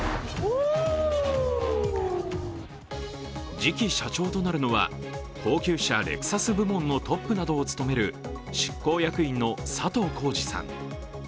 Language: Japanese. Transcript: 次期社長となるのは、高級車レクサス部門のトップなどを務める執行役員の佐藤恒治さん。